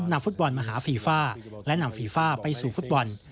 นำฟุตบอลมาหาฟีฟ่าและนำฟีฟ่าไปสู่ฟุตบอล